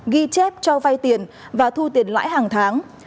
ghi chép cho vay tiền và thu tiền lãi hàng tháng